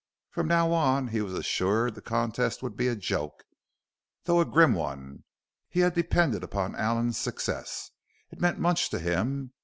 From now on he was assured the contest would be a joke though a grim one. He had depended upon Allen's success it meant much to him.